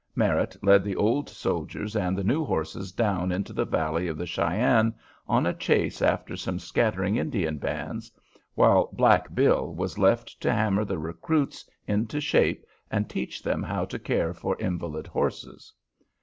Merritt led the old soldiers and the new horses down into the valley of the Cheyenne on a chase after some scattering Indian bands, while "Black Bill" was left to hammer the recruits into shape and teach them how to care for invalid horses.